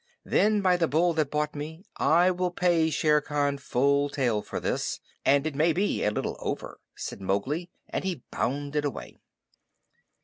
"Then, by the Bull that bought me, I will pay Shere Khan full tale for this, and it may be a little over," said Mowgli, and he bounded away.